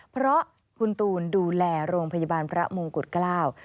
เพราะคุณตูนดูแลโรงพยาบาลพระมงกุฎเกล้า